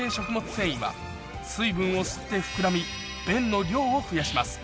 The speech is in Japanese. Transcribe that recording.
繊維は水分を吸って膨らみ便の量を増やします